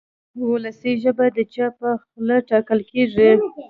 وولسي ژبه د چا په خوله ټاکل کېږي.